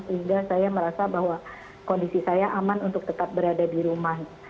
sehingga saya merasa bahwa kondisi saya aman untuk tetap berada di rumah